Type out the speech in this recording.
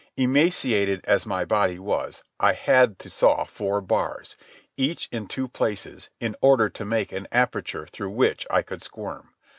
Emaciated as my body was, I had to saw four bars, each in two places, in order to make an aperture through which I could squirm.